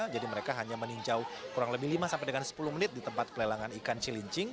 jadi mereka hanya meninjau kurang lebih lima sampai dengan sepuluh menit di tempat pelelangan ikan cilincing